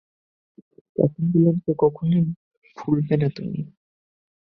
প্রথম ভিলেনকে কখনোই ভুলবে না তুমি।